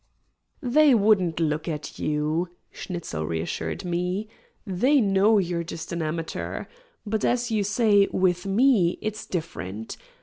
"They wouldn't look at you," Schnitzel reassured me. "They know you're just an amateur. But, as you say, with me, it's different.